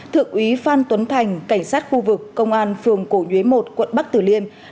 thượng úy phan tuấn thành cảnh sát khu vực công an phường cổ nhuế một quận bắc tử liêm